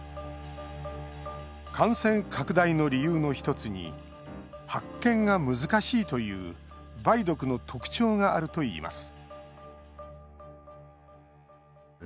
感染拡大の理由の一つに発見が難しいという梅毒の特徴があるといいます